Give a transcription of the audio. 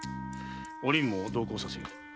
お凛も同行させよ。